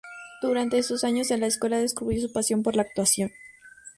Durante su años en la escuela descubrió su pasión por la actuación.